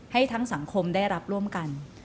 ให้ทั้งสังคมได้รับร่วมกัน